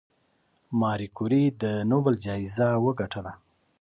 ماري کوري د نوبل جایزه وګټله؟